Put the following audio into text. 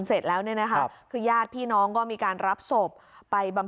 เสร็จแล้วเนี่ยนะคะคือญาติพี่น้องก็มีการรับศพไปบำ